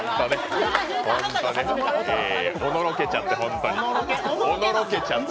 おのろけちゃって、ホントに。